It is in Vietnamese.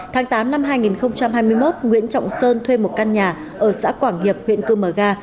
tháng tám năm hai nghìn hai mươi một nguyễn trọng sơn thuê một căn nhà ở xã quảng hiệp huyện cư mờ ga